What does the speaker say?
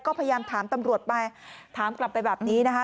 ก็พยายามถามตำรวจไปถามกลับไปแบบนี้นะคะ